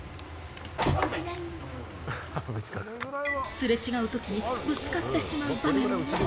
すれ違う時にぶつかってしまう場面も。